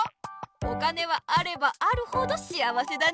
お金はあればあるほど幸せだね。